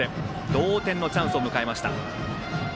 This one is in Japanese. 同点のチャンスを迎えました。